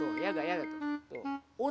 tuh ya gak ya gak tuh